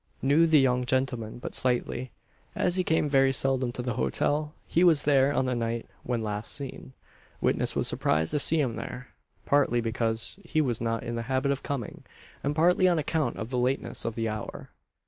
Knew the young gentleman but slightly, as he came very seldom to the hotel. He was there on the night when last seen. Witness was surprised to see him there partly because he was not in the habit of coming, and partly on account of the lateness of the hour.